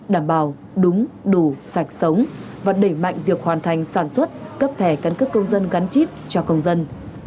đảm bảo đúng đủ sạch sống và đẩy mạnh việc hoàn thành sản xuất cấp thẻ căn cước công dân gắn chip cho công dân